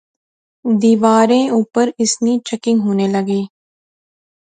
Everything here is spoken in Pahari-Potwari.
دیواریں اپر اس نی چاکنگ ہونے لغی